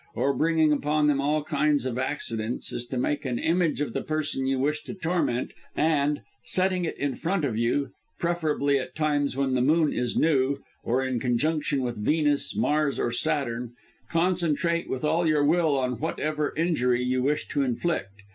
or bringing upon them all kinds of accidents, is to make an image of the person you wish to torment, and, setting it in front of you, preferably, at times when the moon is new, or in conjunction with Venus, Mars or Saturn, concentrate with all your will on whatever injury you wish to inflict.